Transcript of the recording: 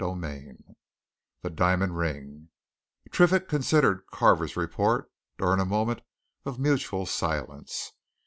CHAPTER XX THE DIAMOND RING Triffitt considered Carver's report during a moment of mutual silence.